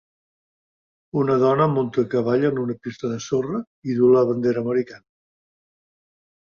Una dona munta a cavall en una pista de sorra i duu la bandera americana